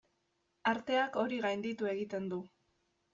Arteak hori gainditu egiten du.